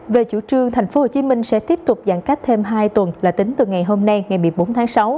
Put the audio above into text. về chủ trương tp hcm sẽ tiếp tục giãn cách thêm hai tuần là tính từ ngày hôm nay ngày một mươi bốn tháng sáu